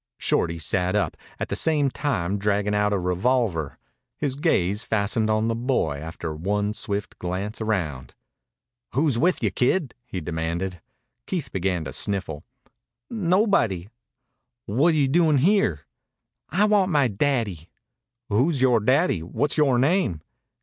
Shorty sat up, at the same time dragging out a revolver. His gaze fastened on the boy, after one swift glance round. "Who's with you, kid?" he demanded. Keith began to sniffle. "Nobody." "Whadya doin' here?" "I want my daddy." "Who is yore daddy? What's yore name?"